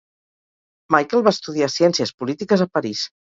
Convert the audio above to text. Michael va estudiar ciències polítiques a París.